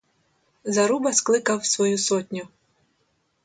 Заруба скликав свою сотню.